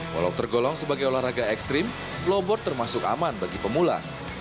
walau tergolong sebagai olahraga ekstrim flowboard termasuk aman bagi pemula